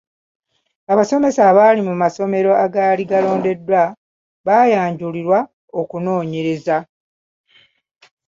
Abasomesa abaali mu masomero agaali galondeddwa baayanjulirwa okunoonyereza.